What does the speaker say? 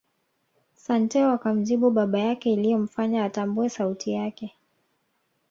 Santeu akamjibu baba yake iliyomfanya atambue sauti yake